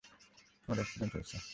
তোমার এক্সিডেন্ট হয়েছো।